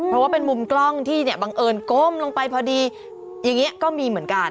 เพราะว่าเป็นมุมกล้องที่เนี่ยบังเอิญก้มลงไปพอดีอย่างนี้ก็มีเหมือนกัน